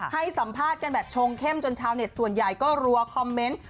ให้สัมภาษณ์กันแบบชงเข้มจนชาวเน็ตส่วนใหญ่ก็รัวคอมเมนต์